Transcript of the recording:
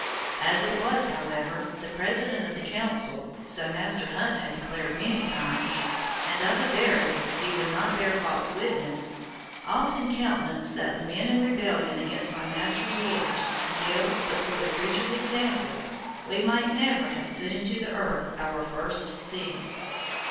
As it was, however, the President of the Council, so Master Hunt has declared many times, and of a verity he would not bear false witness, often countenanced the men in rebellion against my master's orders, until, but for the preacher's example, we might never have put into the earth our first seed.